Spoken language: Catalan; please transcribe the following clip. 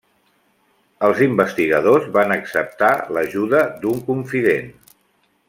Els investigadors van acceptar l'ajuda d'un confident.